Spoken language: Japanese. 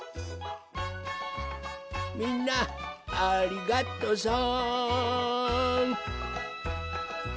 みんなありがとさん！